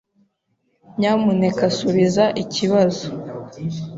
Nyamuneka subiza ikibazo.